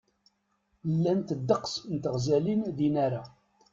Llant ddeqs n teɣzalin di Nara.